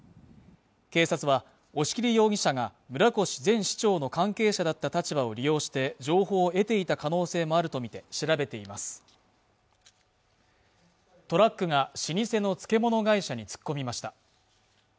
警察は押切容疑者が村越前市長の関係者だった立場を利用して情報を得ていた可能性もあるとみて調べていますトラックが老舗の漬物会社に突っ込みました